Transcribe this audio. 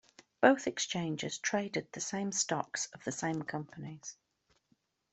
Both exchanges traded the same stocks of the same companies.